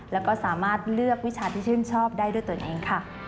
แล้วก็สามารถเลือกวิชาที่ชื่นชอบได้ด้วยตัวเองค่ะ